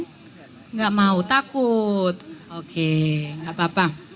tidak mau takut oke nggak apa apa